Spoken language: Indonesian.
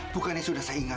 bukannya sudah saya ingatkan